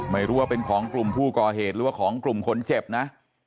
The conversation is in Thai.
ไม่รู้ว่าเป็นของกลุ่มผู้ก่อเหตุหรือว่าของกลุ่มคนเจ็บนะ